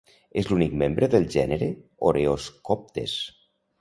És l'únic membre del gènere "Oreoscoptes".